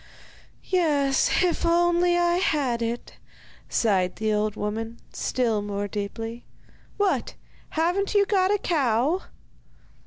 'Yes, if only I had it!' sighed the old woman, still more deeply. 'What! haven't you got a cow?